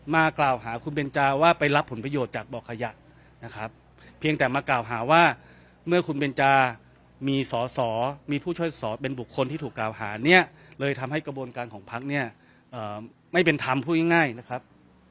มากล่าวหาคุณเบนจาว่าไปรับผลประโยชน์จากบ่อขยะนะครับเพียงแต่มากล่าวหาว่าเมื่อคุณเบนจามีสอสอมีผู้ช่วยสอเป็นบุคคลที่ถูกกล่าวหาเนี่ยเลยทำให้กระบวนการของพักเนี่ยไม่เป็นธรรมพูดง่ายนะครับ